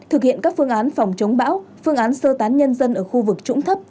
thực hiện các phương án phòng chống bão phương án sơ tán nhân dân ở khu vực trũng thấp